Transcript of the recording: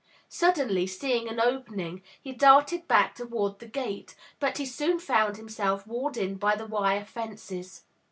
Suddenly seeing an opening, he darted back toward the gate, but he soon found himself walled in by the wire fences.